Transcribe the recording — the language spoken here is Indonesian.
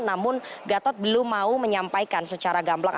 namun gatot belum mau menyampaikan secara gamblang